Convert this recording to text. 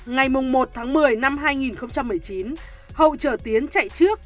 ngày một một mươi hai nghìn một mươi chín hậu chở tiến chạy trước